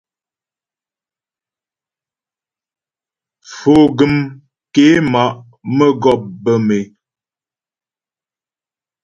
Foguəm ké ma' mə́gɔp bə̌m é.